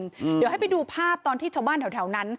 เดี๋ยวให้ไปดูภาพตอนที่ชาวบ้านแถวแถวนั้น